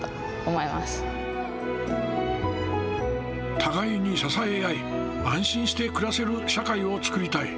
互いに支え合い安心して暮らせる社会を作りたい。